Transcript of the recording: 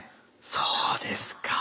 そうですか。